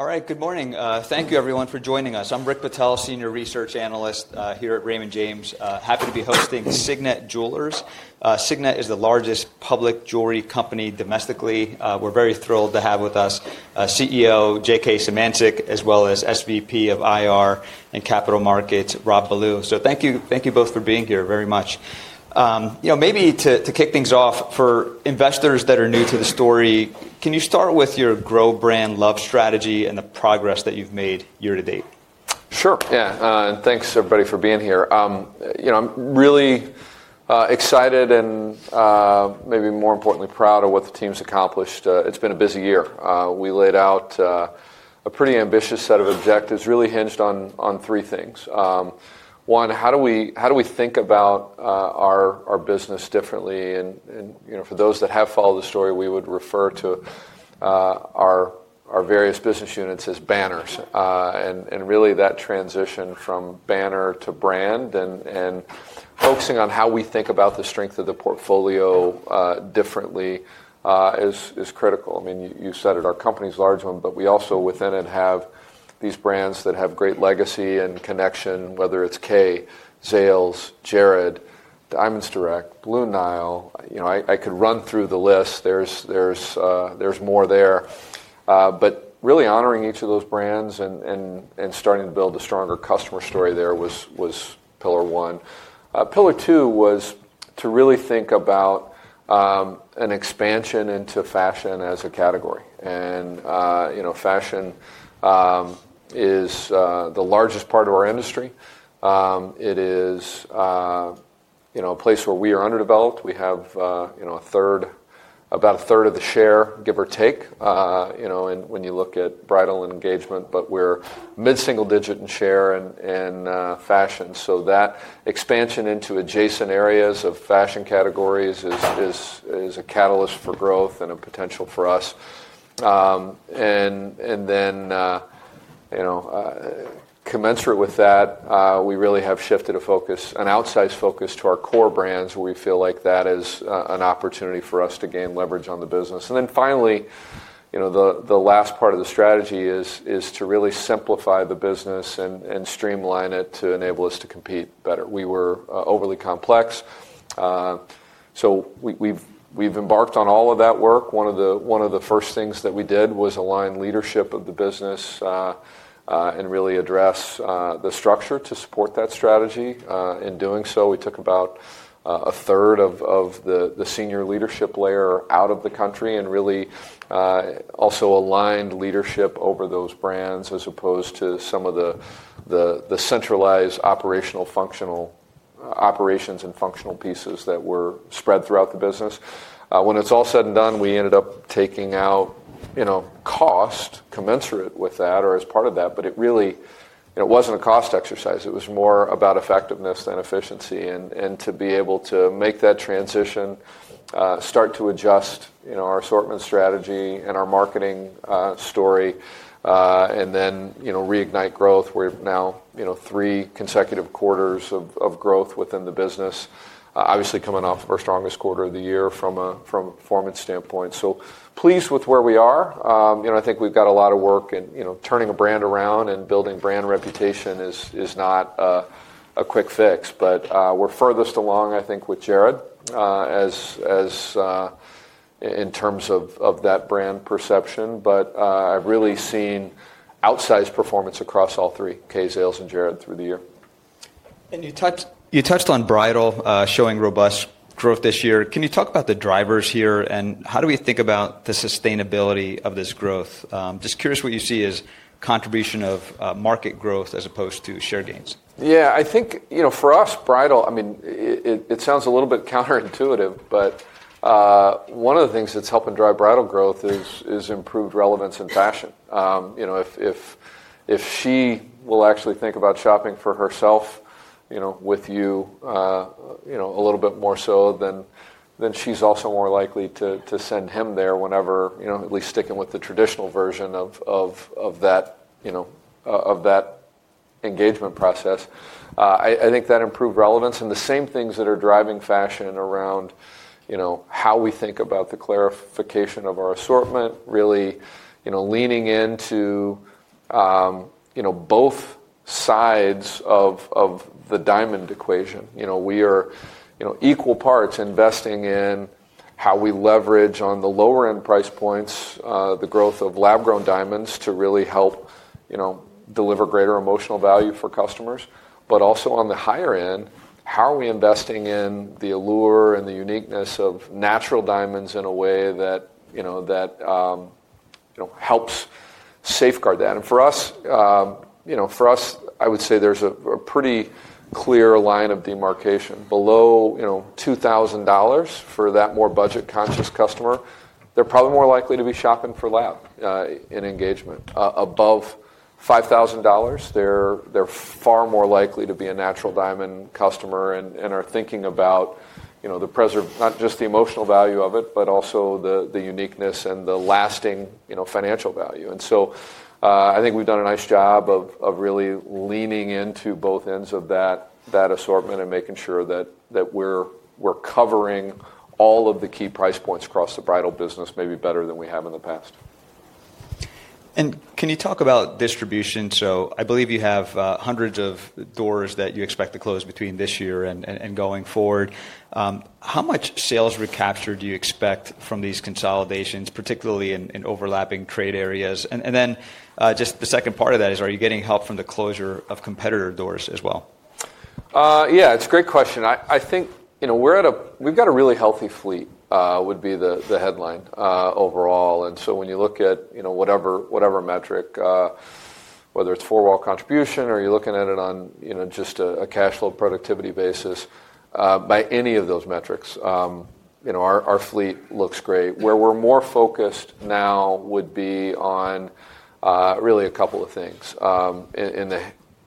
All right, good morning. Thank you, everyone, for joining us. I'm Rick Patel, Senior Research Analyst here at Raymond James. Happy to be hosting Signet Jewelers. Signet is the largest public jewelry company domestically. We're very thrilled to have with us CEO J.K. Symancyk, as well as SVP of IR and Capital Markets, Rob Ballew. So thank you both for being here very much. Maybe to kick things off, for investors that are new to the story, can you start with your Grow Brand Love strategy and the progress that you've made year to date? Sure. Yeah, thanks, everybody, for being here. I'm really excited and maybe more importantly, proud of what the team's accomplished. It's been a busy year. We laid out a pretty ambitious set of objectives, really hinged on three things. One, how do we think about our business differently? And for those that have followed the story, we would refer to our various business units as banners. And really, that transition from banner to brand and focusing on how we think about the strength of the portfolio differently is critical. I mean, you said it, our company's a large one, but we also within it have these brands that have great legacy and connection, whether it's Kay, Zales, Jared, Diamonds Direct, Blue Nile. I could run through the list. There's more there. But really honoring each of those brands and starting to build a stronger customer story there was pillar one. Pillar two was to really think about an expansion into fashion as a category, and fashion is the largest part of our industry. It is a place where we are underdeveloped. We have about a third of the share, give or take, when you look at bridal engagement, but we're mid-single digit in share in fashion, so that expansion into adjacent areas of fashion categories is a catalyst for growth and a potential for us, and then commensurate with that, we really have shifted a focus, an outsized focus, to our core brands, where we feel like that is an opportunity for us to gain leverage on the business, and then finally, the last part of the strategy is to really simplify the business and streamline it to enable us to compete better. We were overly complex, so we've embarked on all of that work. One of the first things that we did was align leadership of the business and really address the structure to support that strategy. In doing so, we took about a third of the senior leadership layer out of the country and really also aligned leadership over those brands, as opposed to some of the centralized operational functional operations and functional pieces that were spread throughout the business. When it's all said and done, we ended up taking out cost commensurate with that or as part of that. But it really wasn't a cost exercise. It was more about effectiveness than efficiency, and to be able to make that transition, start to adjust our assortment strategy and our marketing story, and then reignite growth. We're now three consecutive quarters of growth within the business, obviously coming off of our strongest quarter of the year from a performance standpoint. So pleased with where we are. I think we've got a lot of work and turning a brand around and building brand reputation is not a quick fix, but we're furthest along, I think, with Jared in terms of that brand perception, but I've really seen outsized performance across all three, Kay, Zales, and Jared, through the year. And you touched on bridal showing robust growth this year. Can you talk about the drivers here? And how do we think about the sustainability of this growth? Just curious what you see as contribution of market growth as opposed to share gains? Yeah, I think for us, bridal, I mean, it sounds a little bit counterintuitive. But one of the things that's helping drive bridal growth is improved relevance in fashion. If she will actually think about shopping for herself with you a little bit more so, then she's also more likely to send him there whenever, at least sticking with the traditional version of that engagement process. I think that improved relevance and the same things that are driving fashion around how we think about the clarification of our assortment, really leaning into both sides of the diamond equation. We are equal parts investing in how we leverage on the lower-end price points the growth of lab-grown diamonds to really help deliver greater emotional value for customers. But also on the higher end, how are we investing in the allure and the uniqueness of natural diamonds in a way that helps safeguard that? And for us, I would say there's a pretty clear line of demarcation. Below $2,000 for that more budget-conscious customer, they're probably more likely to be shopping for lab-grown engagement. Above $5,000, they're far more likely to be a natural diamond customer and are thinking about not just the emotional value of it, but also the uniqueness and the lasting financial value. And so I think we've done a nice job of really leaning into both ends of that assortment and making sure that we're covering all of the key price points across the bridal business maybe better than we have in the past. And can you talk about distribution? So I believe you have hundreds of doors that you expect to close between this year and going forward. How much sales recapture do you expect from these consolidations, particularly in overlapping trade areas? And then just the second part of that is, are you getting help from the closure of competitor doors as well? Yeah, it's a great question. I think we've got a really healthy fleet, would be the headline overall. And so when you look at whatever metric, whether it's four-wall contribution or you're looking at it on just a cash flow productivity basis, by any of those metrics, our fleet looks great. Where we're more focused now would be on really a couple of things.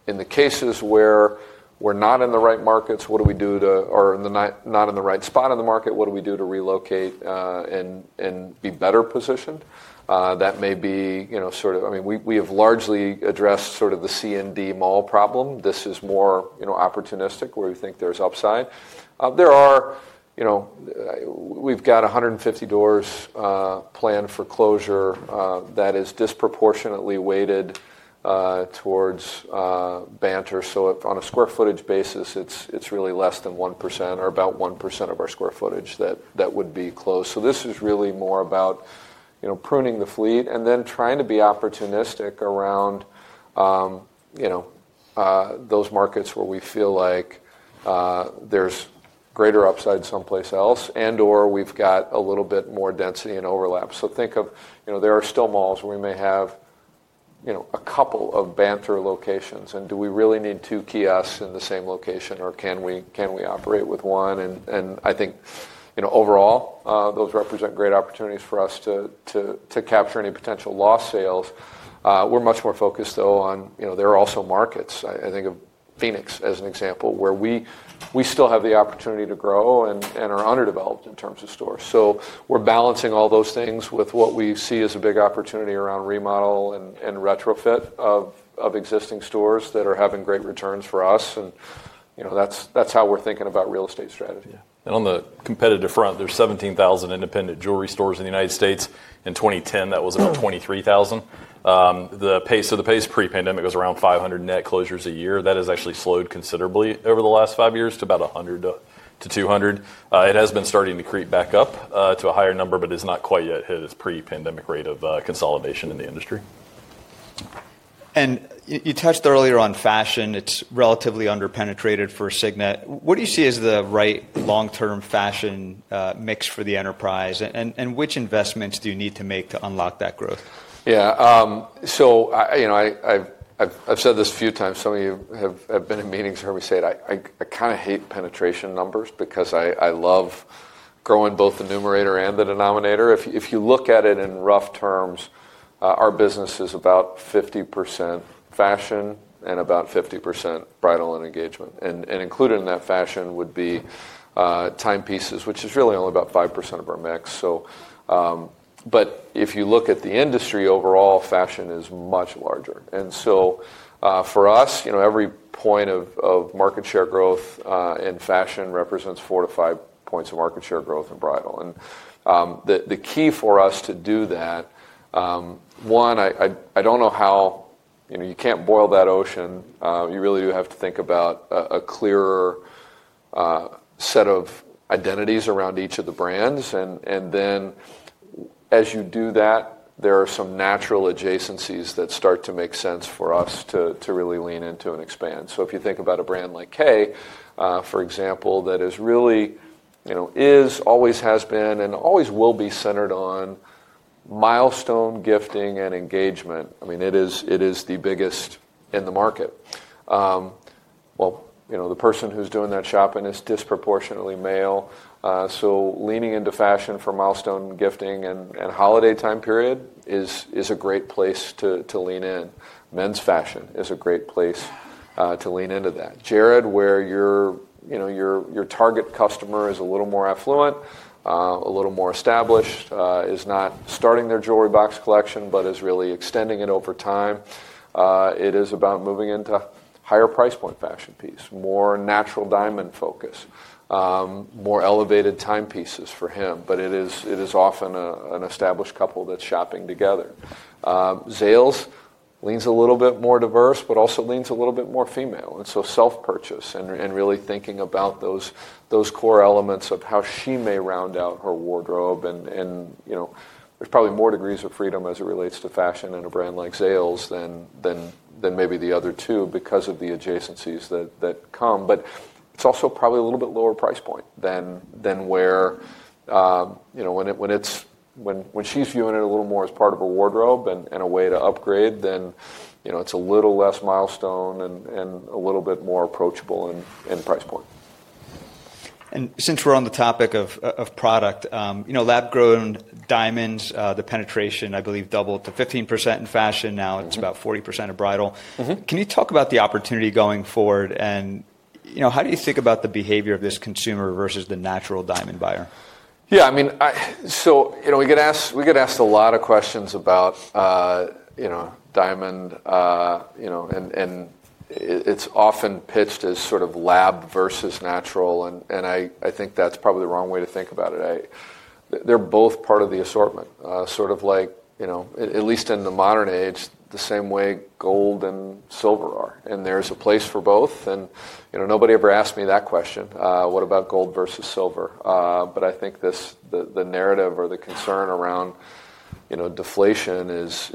In the cases where we're not in the right markets, what do we do to, or not in the right spot in the market, what do we do to relocate and be better positioned? That may be sort of, I mean, we have largely addressed sort of the C&D mall problem. This is more opportunistic, where we think there's upside. We've got 150 doors planned for closure that is disproportionately weighted towards Banter. So on a square footage basis, it's really less than 1% or about 1% of our square footage that would be closed. So this is really more about pruning the fleet and then trying to be opportunistic around those markets where we feel like there's greater upside someplace else and/or we've got a little bit more density and overlap. So think of there are still malls where we may have a couple of Banter locations. And do we really need two kiosks in the same location, or can we operate with one? And I think overall, those represent great opportunities for us to capture any potential lost sales. We're much more focused, though, on. There are also markets. I think of Phoenix as an example, where we still have the opportunity to grow and are underdeveloped in terms of stores. So we're balancing all those things with what we see as a big opportunity around remodel and retrofit of existing stores that are having great returns for us. And that's how we're thinking about real estate strategy. Yeah. And on the competitive front, there's 17,000 independent jewelry stores in the United States. In 2010, that was about 23,000. The pace pre-pandemic was around 500 net closures a year. That has actually slowed considerably over the last five years to about 100 to 200. It has been starting to creep back up to a higher number, but is not quite yet hit its pre-pandemic rate of consolidation in the industry. And you touched earlier on fashion. It's relatively underpenetrated for Signet. What do you see as the right long-term fashion mix for the enterprise? And which investments do you need to make to unlock that growth? Yeah. So I've said this a few times. Some of you have been in meetings where we say it. I kind of hate penetration numbers because I love growing both the numerator and the denominator. If you look at it in rough terms, our business is about 50% fashion and about 50% bridal and engagement, and included in that fashion would be timepieces, which is really only about 5% of our mix, but if you look at the industry overall, fashion is much larger, and so for us, every point of market share growth in fashion represents four to five points of market share growth in bridal, and the key for us to do that, one, I don't know how you can't boil that ocean. You really do have to think about a clearer set of identities around each of the brands. And then as you do that, there are some natural adjacencies that start to make sense for us to really lean into and expand. So if you think about a brand like Kay, for example, that really is, always has been, and always will be centered on milestone gifting and engagement. I mean, it is the biggest in the market. Well, the person who's doing that shopping is disproportionately male. So leaning into fashion for milestone gifting and holiday time period is a great place to lean in. Men's fashion is a great place to lean into that. Jared, where your target customer is a little more affluent, a little more established, is not starting their jewelry box collection, but is really extending it over time. It is about moving into higher price point fashion piece, more natural diamond focus, more elevated timepieces for him. But it is often an established couple that's shopping together. Zales leans a little bit more diverse, but also leans a little bit more female. And so self-purchase and really thinking about those core elements of how she may round out her wardrobe. And there's probably more degrees of freedom as it relates to fashion in a brand like Zales than maybe the other two because of the adjacencies that come. But it's also probably a little bit lower price point than where when she's viewing it a little more as part of her wardrobe and a way to upgrade, then it's a little less milestone and a little bit more approachable in price point. Since we're on the topic of product, lab-grown diamonds, the penetration, I believe, doubled to 15% in fashion. Now it's about 40% of bridal. Can you talk about the opportunity going forward? And how do you think about the behavior of this consumer versus the natural diamond buyer? Yeah, I mean, so we get asked a lot of questions about diamond. And it's often pitched as sort of lab versus natural. And I think that's probably the wrong way to think about it. They're both part of the assortment, sort of like, at least in the modern age, the same way gold and silver are. And there's a place for both. And nobody ever asked me that question, what about gold versus silver? But I think the narrative or the concern around deflation is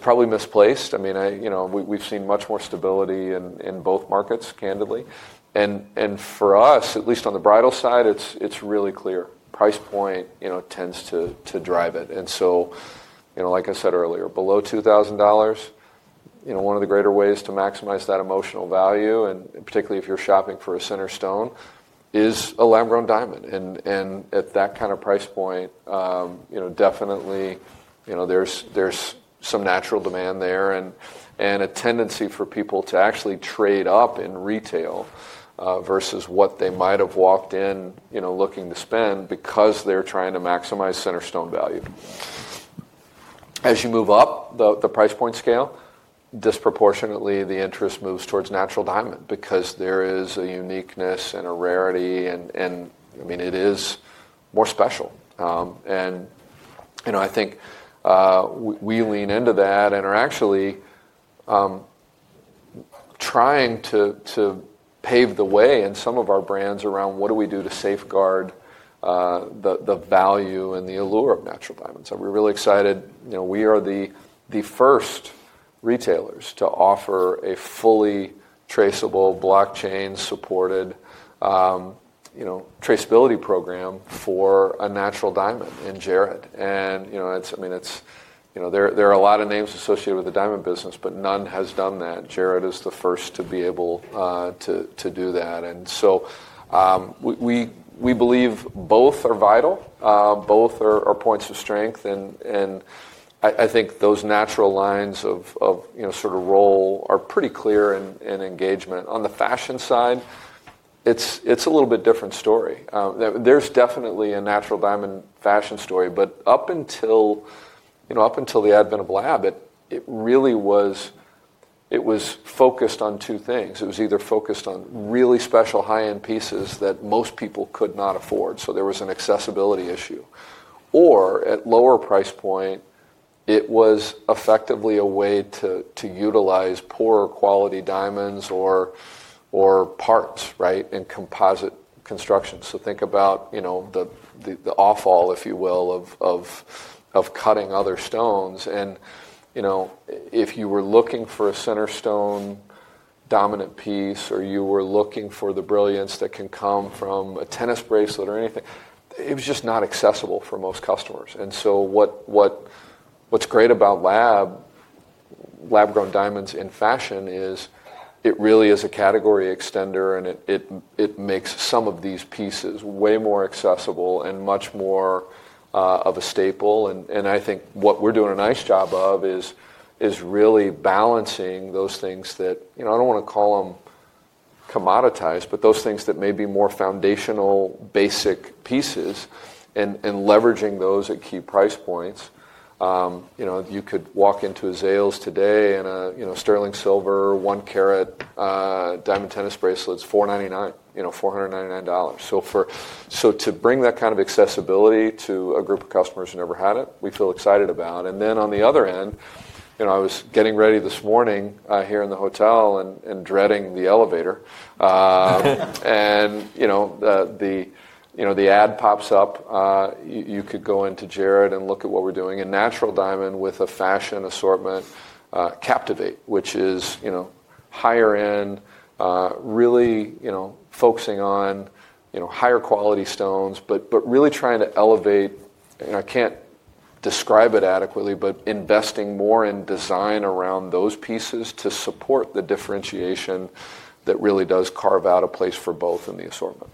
probably misplaced. I mean, we've seen much more stability in both markets, candidly. And for us, at least on the bridal side, it's really clear. Price point tends to drive it. And so, like I said earlier, below $2,000, one of the greater ways to maximize that emotional value, and particularly if you're shopping for a center stone, is a lab-grown diamond. And at that kind of price point, definitely there's some natural demand there and a tendency for people to actually trade up in retail versus what they might have walked in looking to spend because they're trying to maximize center stone value. As you move up the price point scale, disproportionately, the interest moves towards natural diamond because there is a uniqueness and a rarity. And I mean, it is more special. And I think we lean into that and are actually trying to pave the way in some of our brands around what do we do to safeguard the value and the allure of natural diamonds. And we're really excited. We are the first retailers to offer a fully traceable blockchain-supported traceability program for a natural diamond in Jared. And I mean, there are a lot of names associated with the diamond business, but none has done that. Jared is the first to be able to do that. And so we believe both are vital, both are points of strength. And I think those natural lines of sort of role are pretty clear in engagement. On the fashion side, it's a little bit different story. There's definitely a natural diamond fashion story. But up until the advent of lab, it really was focused on two things. It was either focused on really special high-end pieces that most people could not afford. So there was an accessibility issue. Or at lower price point, it was effectively a way to utilize poorer quality diamonds or parts, right, in composite construction. So think about the offal, if you will, of cutting other stones. If you were looking for a center stone dominant piece or you were looking for the brilliance that can come from a tennis bracelet or anything, it was just not accessible for most customers. What's great about lab-grown diamonds in fashion is it really is a category extender, and it makes some of these pieces way more accessible and much more of a staple. I think what we're doing a nice job of is really balancing those things that I don't want to call them commoditized, but those things that may be more foundational basic pieces and leveraging those at key price points. You could walk into a Zales today in a sterling silver, one-carat diamond tennis bracelets, $499, $499. To bring that kind of accessibility to a group of customers who never had it, we feel excited about. And then on the other end, I was getting ready this morning here in the hotel and dreading the elevator. And the ad pops up. You could go into Jared and look at what we're doing. And natural diamond with a fashion assortment, Captivate, which is higher end, really focusing on higher quality stones, but really trying to elevate. I can't describe it adequately, but investing more in design around those pieces to support the differentiation that really does carve out a place for both in the assortment.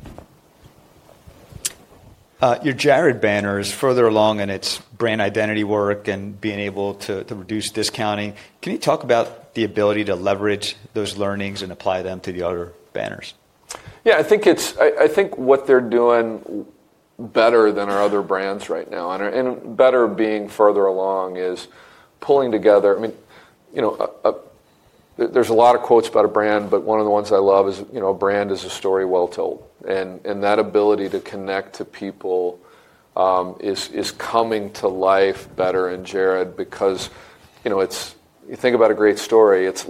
Your Jared banner is further along in its brand identity work and being able to reduce discounting. Can you talk about the ability to leverage those learnings and apply them to the other banners? Yeah, I think what they're doing better than our other brands right now, and better being further along, is pulling together. I mean, there's a lot of quotes about a brand, but one of the ones I love is a brand is a story well told, and that ability to connect to people is coming to life better in Jared because you think about a great story. There's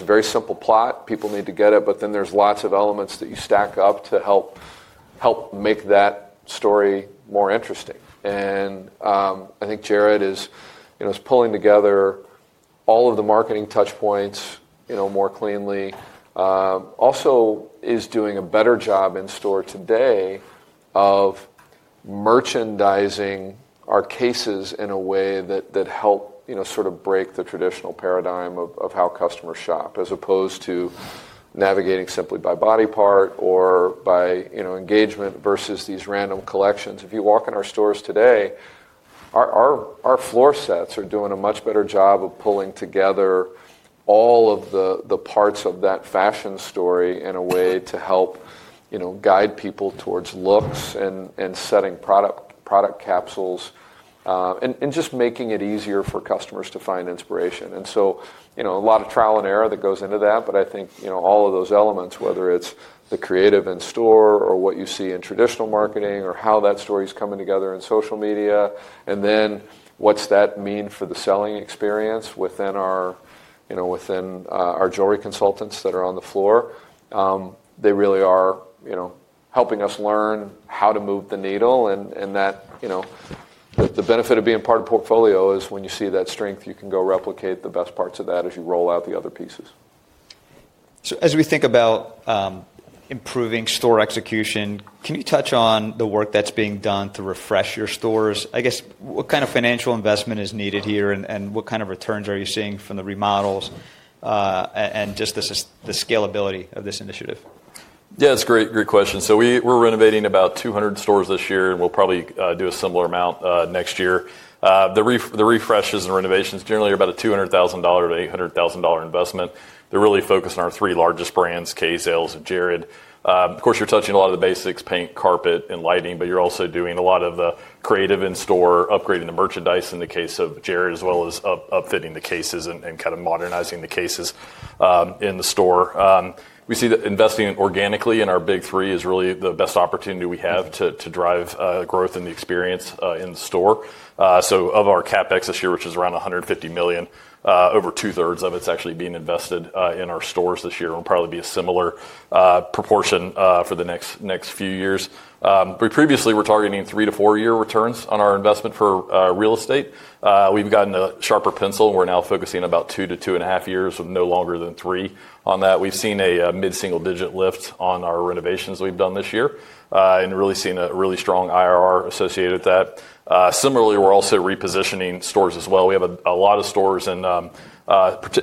a very simple plot. People need to get it. But then there's lots of elements that you stack up to help make that story more interesting, and I think Jared is pulling together all of the marketing touchpoints more cleanly. Also is doing a better job in store today of merchandising our cases in a way that helps sort of break the traditional paradigm of how customers shop, as opposed to navigating simply by body part or by engagement versus these random collections. If you walk in our stores today, our floor sets are doing a much better job of pulling together all of the parts of that fashion story in a way to help guide people towards looks and setting product capsules and just making it easier for customers to find inspiration, and so a lot of trial and error that goes into that. But I think all of those elements, whether it's the creative in store or what you see in traditional marketing or how that story is coming together in social media, and then what's that mean for the selling experience within our jewelry consultants that are on the floor, they really are helping us learn how to move the needle. And the benefit of being part of portfolio is when you see that strength, you can go replicate the best parts of that as you roll out the other pieces. So as we think about improving store execution, can you touch on the work that's being done to refresh your stores? I guess what kind of financial investment is needed here and what kind of returns are you seeing from the remodels and just the scalability of this initiative? Yeah, that's a great question. So we're renovating about 200 stores this year, and we'll probably do a similar amount next year. The refreshes and renovations generally are about a $200,000-$800,000 investment. They're really focused on our three largest brands, Kay, Zales, and Jared. Of course, you're touching a lot of the basics, paint, carpet, and lighting, but you're also doing a lot of the creative in store, upgrading the merchandise in the case of Jared, as well as upfitting the cases and kind of modernizing the cases in the store. We see that investing organically in our big three is really the best opportunity we have to drive growth in the experience in the store. So of our CapEx this year, which is around $150 million, over two-thirds of it's actually being invested in our stores this year and will probably be a similar proportion for the next few years. Previously, we're targeting three- to four-year returns on our investment for real estate. We've gotten a sharper pencil, and we're now focusing about two- to two-and-a-half-year with no longer than three on that. We've seen a mid-single-digit lift on our renovations we've done this year and really seen a strong IRR associated with that. Similarly, we're also repositioning stores as well. We have a lot of stores,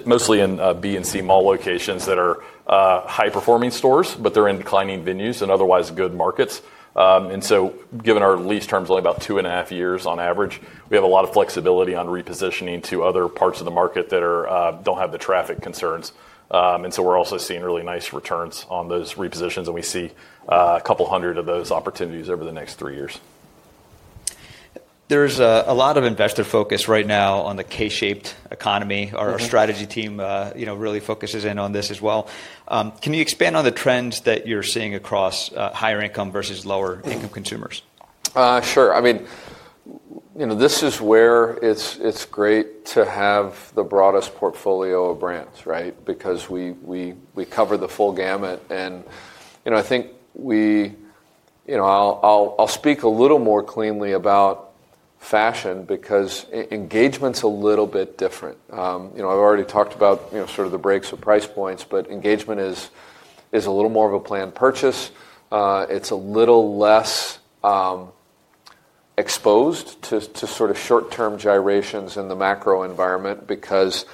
mostly in B and C mall locations, that are high-performing stores, but they're in declining venues and otherwise good markets. And so given our lease terms, only about two and a half years on average, we have a lot of flexibility on repositioning to other parts of the market that don't have the traffic concerns. And so we're also seeing really nice returns on those repositions, and we see a couple hundred of those opportunities over the next three years. There's a lot of investor focus right now on the K-shaped economy. Our strategy team really focuses in on this as well. Can you expand on the trends that you're seeing across higher income versus lower income consumers? Sure. I mean, this is where it's great to have the broadest portfolio of brands, right, because we cover the full gamut. And I think I'll speak a little more cleanly about fashion because engagement's a little bit different. I've already talked about sort of the breaks of price points, but engagement is a little more of a planned purchase. It's a little less exposed to sort of short-term gyrations in the macro environment because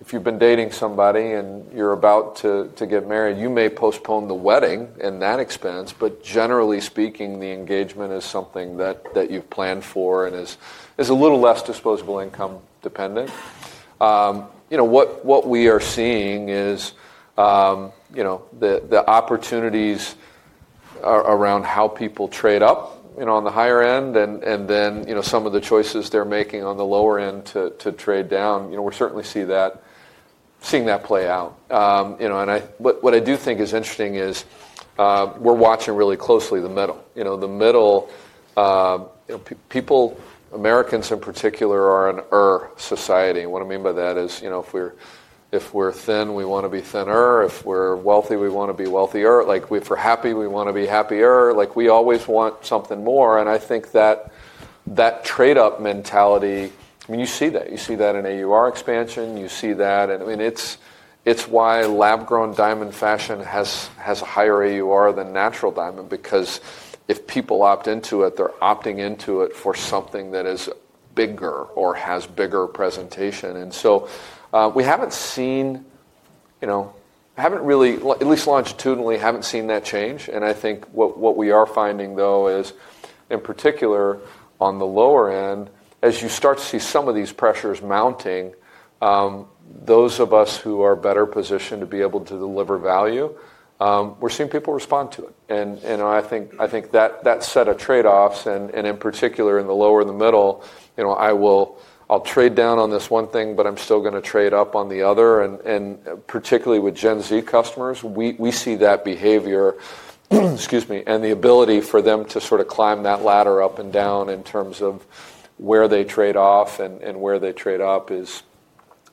if you've been dating somebody and you're about to get married, you may postpone the wedding and that expense. But generally speaking, the engagement is something that you've planned for and is a little less disposable income dependent. What we are seeing is the opportunities around how people trade up on the higher end and then some of the choices they're making on the lower end to trade down. We're certainly seeing that play out. What I do think is interesting is we're watching really closely the middle. The middle, people, Americans in particular, are an affluent society. What I mean by that is if we're thin, we want to be thinner. If we're wealthy, we want to be wealthier. If we're happy, we want to be happier. We always want something more. And I think that trade-up mentality, I mean, you see that. You see that in AUR expansion. You see that. And I mean, it's why lab-grown diamond fashion has a higher AUR than natural diamond because if people opt into it, they're opting into it for something that is bigger or has bigger presentation. And so we haven't seen, at least longitudinally, that change. And I think what we are finding, though, is in particular on the lower end, as you start to see some of these pressures mounting, those of us who are better positioned to be able to deliver value, we're seeing people respond to it. And I think that set of trade-offs, and in particular in the lower and the middle, I'll trade down on this one thing, but I'm still going to trade up on the other. And particularly with Gen Z customers, we see that behavior, excuse me, and the ability for them to sort of climb that ladder up and down in terms of where they trade off and where they trade up is,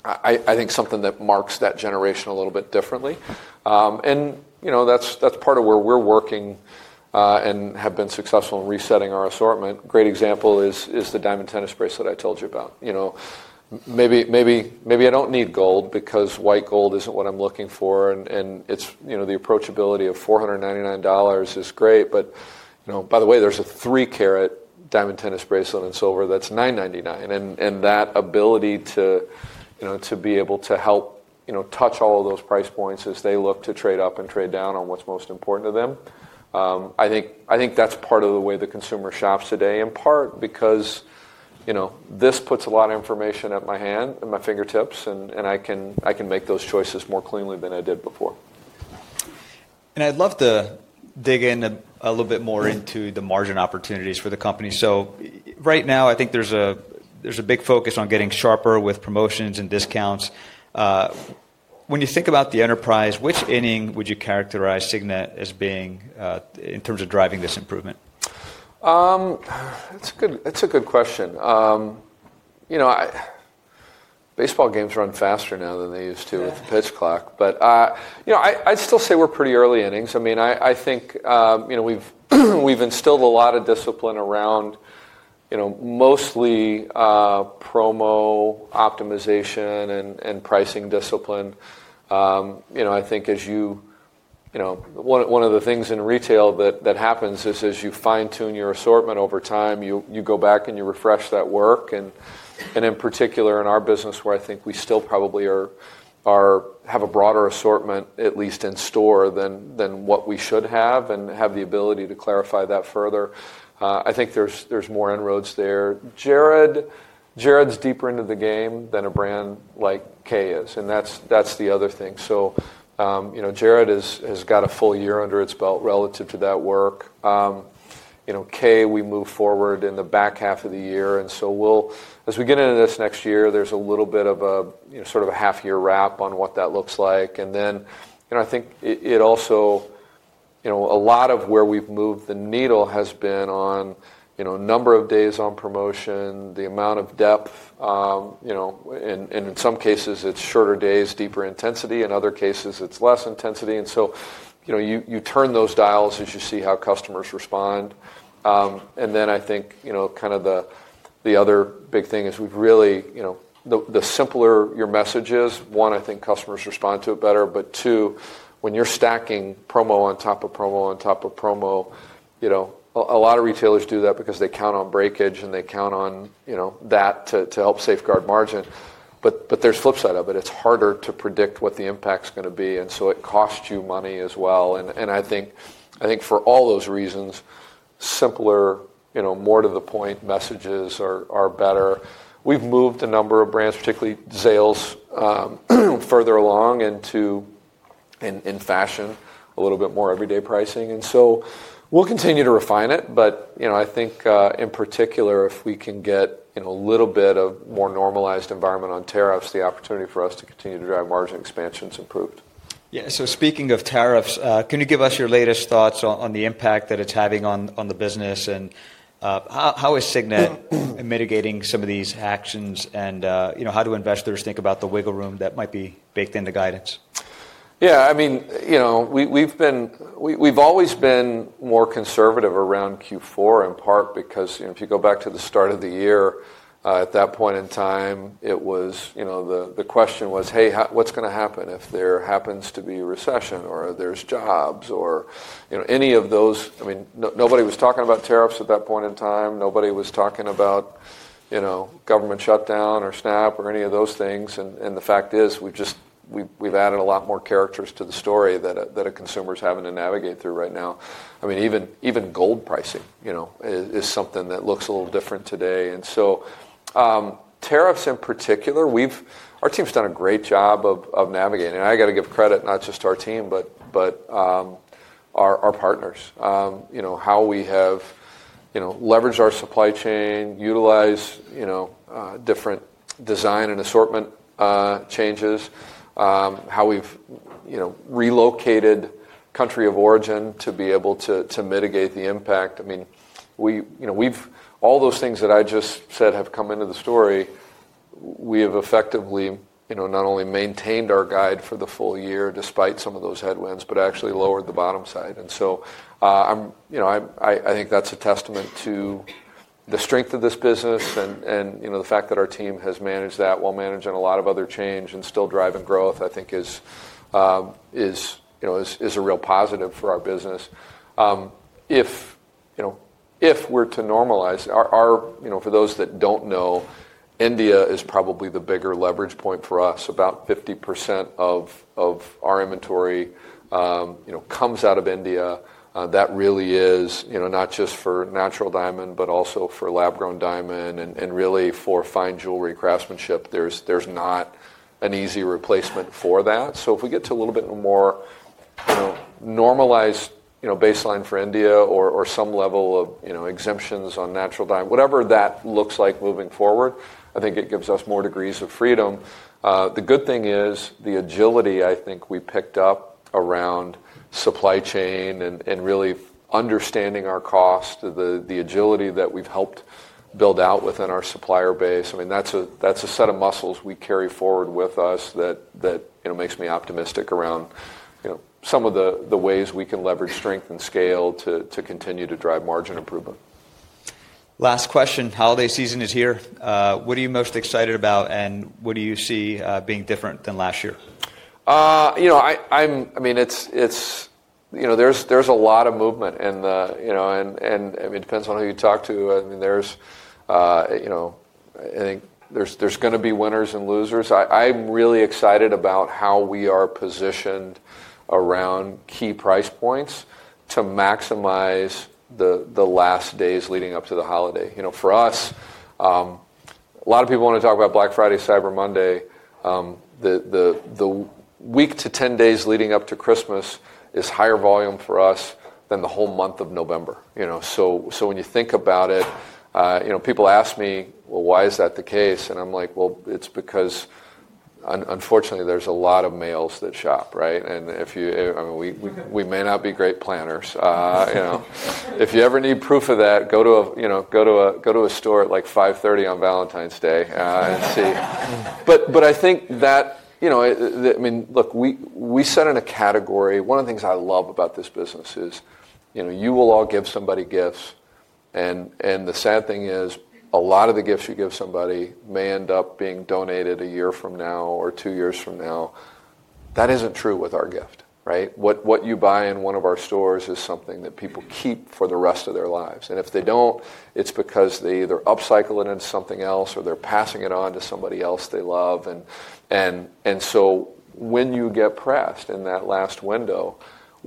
I think, something that marks that generation a little bit differently. And that's part of where we're working and have been successful in resetting our assortment. Great example is the diamond tennis bracelet I told you about. Maybe I don't need gold because white gold isn't what I'm looking for, and the approachability of $499 is great, but by the way, there's a three-carat diamond tennis bracelet in silver that's $999, and that ability to be able to help touch all of those price points as they look to trade up and trade down on what's most important to them, I think that's part of the way the consumer shops today, in part because this puts a lot of information at my hand, at my fingertips, and I can make those choices more cleanly than I did before. And I'd love to dig in a little bit more into the margin opportunities for the company. So right now, I think there's a big focus on getting sharper with promotions and discounts. When you think about the enterprise, which inning would you characterize Signet as being in terms of driving this improvement? That's a good question. Baseball games run faster now than they used to with the pitch clock, but I'd still say we're pretty early innings. I mean, I think we've instilled a lot of discipline around mostly promo optimization and pricing discipline. I think as you one of the things in retail that happens is as you fine-tune your assortment over time, you go back and you refresh that work, and in particular in our business, where I think we still probably have a broader assortment, at least in store, than what we should have and have the ability to clarify that further, I think there's more inroads there. Jared's deeper into the game than a brand like Kay is, and that's the other thing, so Jared has got a full year under its belt relative to that work. Kay, we move forward in the back half of the year. As we get into this next year, there's a little bit of a sort of a half-year wrap on what that looks like. Then I think a lot of where we've moved the needle has been on number of days on promotion, the amount of depth. In some cases, it's shorter days, deeper intensity. In other cases, it's less intensity. You turn those dials as you see how customers respond. Then I think kind of the other big thing is we've really the simpler your message is. One, I think customers respond to it better. But two, when you're stacking promo on top of promo on top of promo, a lot of retailers do that because they count on breakage and they count on that to help safeguard margin. But there's a flip side of it. It's harder to predict what the impact's going to be. And so it costs you money as well. And I think for all those reasons, simpler, more to the point messages are better. We've moved a number of brands, particularly Zales, further along into fashion, a little bit more everyday pricing. And so we'll continue to refine it. But I think in particular, if we can get a little bit of more normalized environment on tariffs, the opportunity for us to continue to drive margin expansion is improved. Yeah. So speaking of tariffs, can you give us your latest thoughts on the impact that it's having on the business? And how is Signet mitigating some of these actions? And how do investors think about the wiggle room that might be baked into guidance? Yeah. I mean, we've always been more conservative around Q4, in part because if you go back to the start of the year, at that point in time, the question was, "Hey, what's going to happen if there happens to be a recession or there's jobs or any of those?" I mean, nobody was talking about tariffs at that point in time. Nobody was talking about government shutdown or SNAP or any of those things. And the fact is we've added a lot more characters to the story that consumers are having to navigate through right now. I mean, even gold pricing is something that looks a little different today. And so tariffs in particular, our team's done a great job of navigating. And I got to give credit not just to our team, but our partners, how we have leveraged our supply chain, utilized different design and assortment changes, how we've relocated country of origin to be able to mitigate the impact. I mean, all those things that I just said have come into the story. We have effectively not only maintained our guide for the full year despite some of those headwinds, but actually lowered the bottom side. And so I think that's a testament to the strength of this business and the fact that our team has managed that while managing a lot of other change and still driving growth, I think, is a real positive for our business. If we're to normalize, for those that don't know, India is probably the bigger leverage point for us. About 50% of our inventory comes out of India. That really is not just for natural diamond, but also for lab-grown diamond and really for fine jewelry craftsmanship. There's not an easy replacement for that. So if we get to a little bit more normalized baseline for India or some level of exemptions on natural diamond, whatever that looks like moving forward, I think it gives us more degrees of freedom. The good thing is the agility, I think, we picked up around supply chain and really understanding our cost, the agility that we've helped build out within our supplier base. I mean, that's a set of muscles we carry forward with us that makes me optimistic around some of the ways we can leverage strength and scale to continue to drive margin improvement. Last question. Holiday season is here. What are you most excited about, and what do you see being different than last year? I mean, there's a lot of movement, and I mean, it depends on who you talk to. I mean, I think there's going to be winners and losers. I'm really excited about how we are positioned around key price points to maximize the last days leading up to the holiday. For us, a lot of people want to talk about Black Friday, Cyber Monday. The week to 10 days leading up to Christmas is higher volume for us than the whole month of November. So when you think about it, people ask me, "Well, why is that the case?" and I'm like, "Well, it's because unfortunately, there's a lot of males that shop, right?" And I mean, we may not be great planners. If you ever need proof of that, go to a store at like 5:30 P.M. on Valentine's Day and see. But I think that, I mean, look, we sit in a category. One of the things I love about this business is you will all give somebody gifts. And the sad thing is a lot of the gifts you give somebody may end up being donated a year from now or two years from now. That isn't true with our gift, right? What you buy in one of our stores is something that people keep for the rest of their lives. And if they don't, it's because they either upcycle it into something else or they're passing it on to somebody else they love. And so when you get pressed in that last window,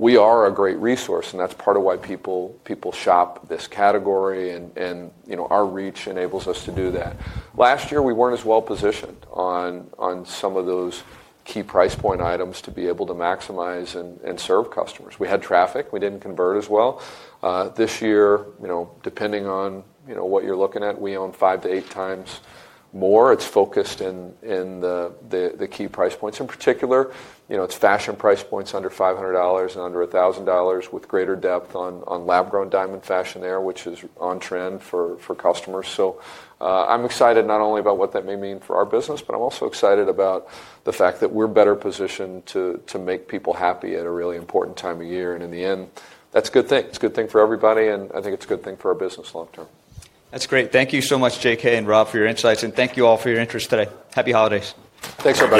we are a great resource. And that's part of why people shop this category. And our reach enables us to do that. Last year, we weren't as well positioned on some of those key price point items to be able to maximize and serve customers. We had traffic. We didn't convert as well. This year, depending on what you're looking at, we own five to eight times more. It's focused in the key price points. In particular, it's fashion price points under $500 and under $1,000 with greater depth on lab-grown diamond fashion there, which is on trend for customers, so I'm excited not only about what that may mean for our business, but I'm also excited about the fact that we're better positioned to make people happy at a really important time of year, and in the end, that's a good thing. It's a good thing for everybody, and I think it's a good thing for our business long term. That's great. Thank you so much, JK and Rob, for your insights and thank you all for your interest today. Happy holidays. Thanks, everyone.